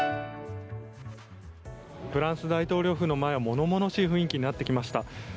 フランス大統領府の前ものものしい雰囲気になってきました。